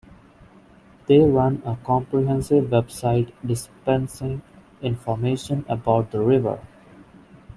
They run a comprehensive website dispensing information about the river.